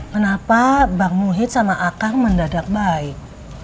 kenapa bang muhid sama akang mendadak baik